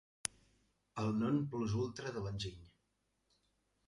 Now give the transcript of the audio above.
El 'non plus ultra' de l'enginy.